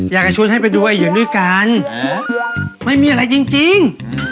อยากจะชวนให้ไปดูไอเยือนด้วยกันไม่มีอะไรจริง